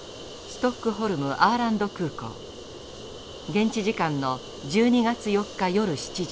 現地時間の１２月４日夜７時。